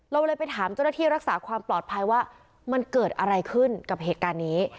เราเลยไปถามเจ้าหน้าที่รักษาความปลอดภัยว่ามันเกิดอะไรขึ้นกับเหตุการณ์นี้